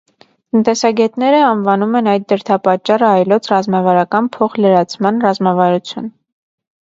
Տնտեսագետները անվանում են այդ դրդապատճառը այլոց ռազմավարական փոխլրացման ռազմավարություն։